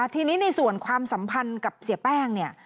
ทีนี้ในส่วนความสัมพันธ์กับเสียแป้งเนี่ย